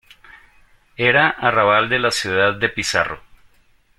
Era arrabal de la ciudad de Pizarro.